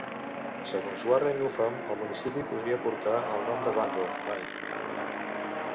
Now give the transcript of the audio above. Segons Warren Upham, el municipi podria portar el nom de Bangor, Maine.